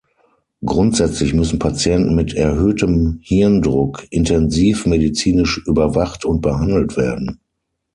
Grundsätzlich müssen Patienten mit erhöhtem Hirndruck intensivmedizinisch überwacht und behandelt werden.